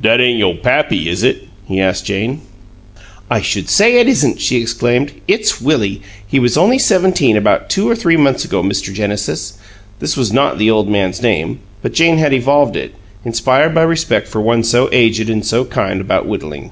"Dat ain' yo' pappy, is it?" he asked Jane. "I should say it isn't!" she exclaimed. "It's Willie. He was only seventeen about two or three months ago, Mr. Genesis." This was not the old man's name, but Jane had evolved it, inspired by respect for one so aged and so kind about whittling.